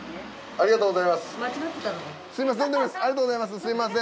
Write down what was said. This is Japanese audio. ありがとうございます。